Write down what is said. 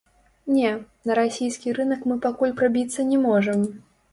Не, на расійскі рынак мы пакуль прабіцца не можам.